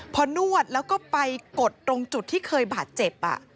พอนวดแล้วก็ไปกดตรงจุดที่เคยบาดเจ็บ